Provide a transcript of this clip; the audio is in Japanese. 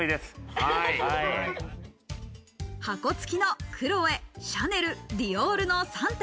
箱つきのクロエ、シャネル、ディオールの３点。